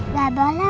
nggak boleh om baik